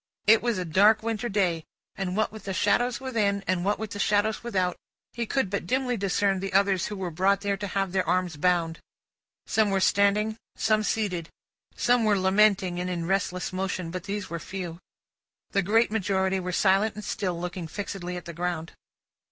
It was a dark winter day, and what with the shadows within, and what with the shadows without, he could but dimly discern the others who were brought there to have their arms bound. Some were standing; some seated. Some were lamenting, and in restless motion; but, these were few. The great majority were silent and still, looking fixedly at the ground.